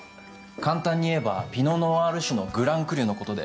簡単にいえばピノ・ノワール種のグラン・クリュのことで。